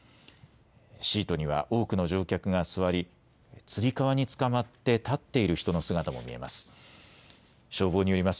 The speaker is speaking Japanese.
シートには多くの乗客が座りつり革につかまって立っている人の姿も見えます。